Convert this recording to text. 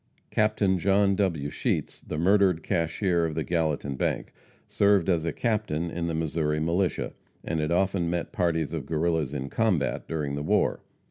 Captain John W. Sheets, the murdered cashier of the Gallatin bank, served as a captain in the Missouri militia, and had often met parties of Guerrillas in combat during the war.